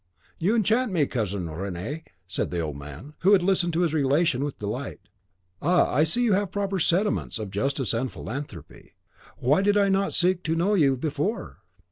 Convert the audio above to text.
"You enchant me, Cousin Rene," said the old man, who had listened to his relation with delight. "Ah, I see you have proper sentiments of justice and philanthropy. Why did I not seek to know you before?